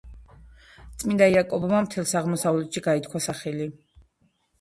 წმინდა იაკობმა მთელს აღმოსავლეთში გაითქვა სახელი.